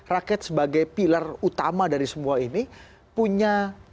rakyat sebagai pilar utama dari semua ini punya